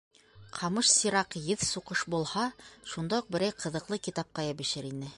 «Ҡамыш сираҡ, еҙ суҡыш» булһа, шунда уҡ берәй ҡыҙыҡлы китапҡа йәбешер ине.